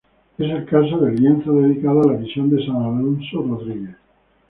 Es el caso del lienzo dedicado a la Visión de San Alonso Rodríguez.